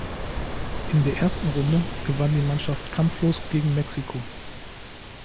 In der ersten Runde gewann die Mannschaft kampflos gegen Mexiko.